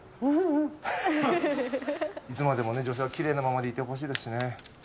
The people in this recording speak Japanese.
いつまでも女性は奇麗なままでいてほしいですしね。